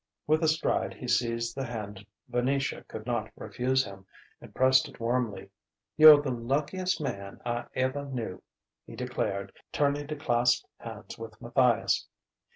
With a stride he seized the hand Venetia could not refuse him, and pressed it warmly. "You're the luckiest man I ever knew!" he declared, turning to clasp hands with Matthias.